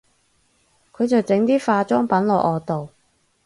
佢就整啲化妝品落我度